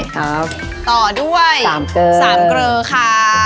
ต่อด้วยสามเกลอค่ะ